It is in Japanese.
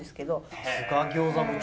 さすが餃子部長。